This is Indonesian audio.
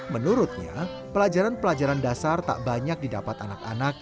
menurutnya pelajaran pelajaran dasar tak banyak didapat anak anak